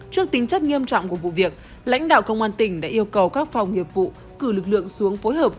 trước tính chất nghiêm trọng của vụ việc lãnh đạo công an tỉnh đã yêu cầu các phòng nghiệp vụ cử lực lượng xuống phối hợp